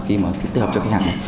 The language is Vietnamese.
khi mà tích hợp cho khách hàng